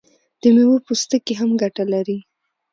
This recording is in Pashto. د میوو پوستکي هم ګټه لري.